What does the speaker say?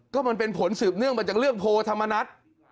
ก็มันเป็นผลสืบเนื่องมาจากเรื่องโพธรรมนัฐ